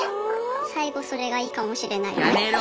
最期それがいいかもしれないです。